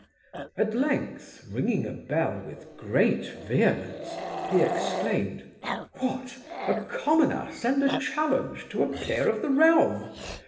At length, ringing a bell with great vehemence, he exclaimed, 'What! a commoner send a challenge to a peer of the realm!